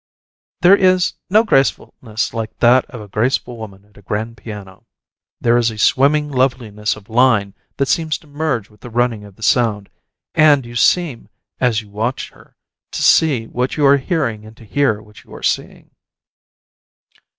There is no gracefulness like that of a graceful woman at a grand piano. There is a swimming loveliness of line that seems to merge with the running of the sound, and you seem, as you watch her, to see what you are hearing and to hear what you are seeing.